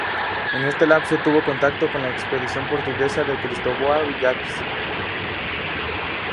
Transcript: En ese lapso tuvo contacto con la expedición portuguesa de Cristóvão Jacques.